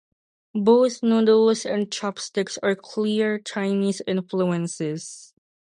Both noodles and chopsticks are clear Chinese influences.